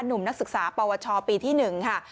หนุ่มนักศึกษาปวชปีที่๑ค่ะ